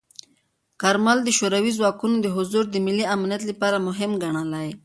کارمل د شوروي ځواکونو حضور د ملي امنیت لپاره مهم ګڼلی.